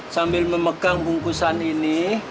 sambil memegang bungkusan ini